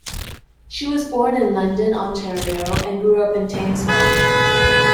She was born in London, Ontario, and grew up in Thamesville.